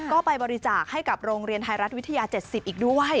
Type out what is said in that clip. ก็ไปบริจาคให้กับโรงเรียนไทยรัฐวิทยา๗๐อีกด้วย